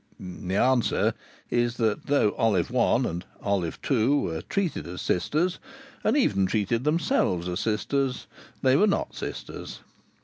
The answer is that though Olive One and Olive Two were treated as sisters, and even treated themselves as sisters, they were not sisters.